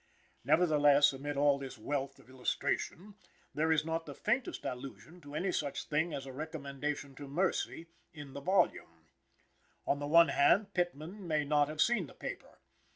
Nevertheless, amid all this wealth of illustration, there is not the faintest allusion to any such thing as a recommendation to mercy, in the volume. On the one hand, Pittman may not have seen the paper.